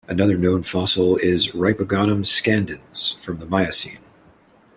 Another known fossil is "Ripogonum scandens" from the Miocene.